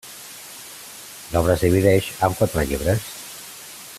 L'obra es divideix en quatre llibres.